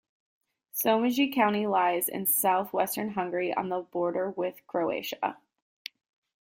Somogy county lies in south-western Hungary, on the border with Croatia.